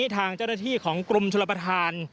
ทางเจ้าหน้าที่ของกรมชลประธาน